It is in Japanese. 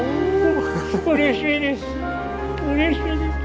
うれしいです。